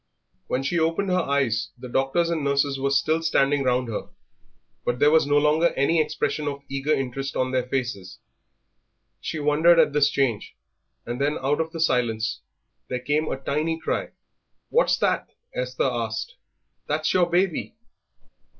When she opened her eyes the doctors and nurses were still standing round her, but there was no longer any expression of eager interest on their faces. She wondered at this change, and then out of the silence there came a tiny cry. "What's that?" Esther asked. "That's your baby."